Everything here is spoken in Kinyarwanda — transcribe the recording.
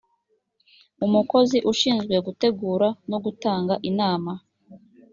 umukozi ushinzwe gutegura no gutanga inama